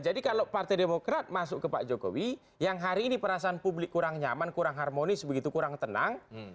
kalau partai demokrat masuk ke pak jokowi yang hari ini perasaan publik kurang nyaman kurang harmonis begitu kurang tenang